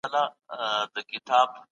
سياست تل د قدرت زېږنده دی.